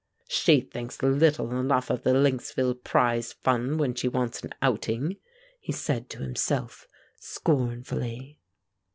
"She thinks little enough of the Lynxville Prize Fund when she wants an outing," he said to himself, scornfully.